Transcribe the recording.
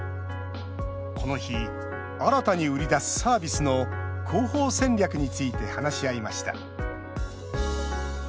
この日、新たに売り出すサービスの広報戦略について話し合いました。